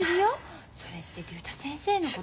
それって竜太先生のこと。